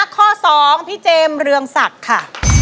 ข้อ๒พี่เจมส์เรืองศักดิ์ค่ะ